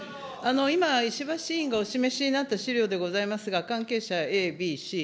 今、石橋委員がお示しになった資料でございますが、関係者Ａ、Ｂ、Ｃ。